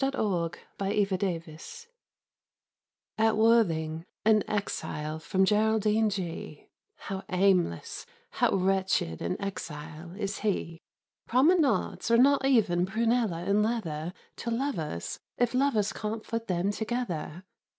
MY LIFE IS A— At Worthing an exile from Geraldine G—, How aimless, how wretched an exile is he! Promenades are not even prunella and leather To lovers, if lovers can't foot them together.